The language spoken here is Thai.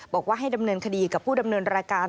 บอกว่าให้ดำเนินคดีกับผู้ดำเนินรายการ